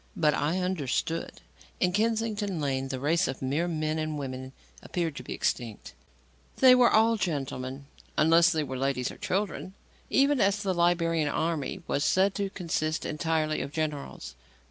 But I understood. In Kennington Lane, the race of mere men and women appeared to be extinct. They were all gentlemen unless they were ladies or children even as the Liberian army was said to consist entirely of generals.